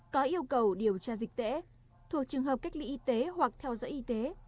có yêu cầu điều tra dịch tễ thuộc trường hợp cách ly y tế hoặc theo dõi y tế